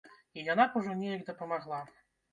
І яна б ужо неяк дапамагла.